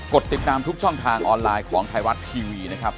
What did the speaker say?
ดติดตามทุกช่องทางออนไลน์ของไทยรัฐทีวีนะครับ